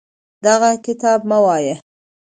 دغه کتاب مه وایه.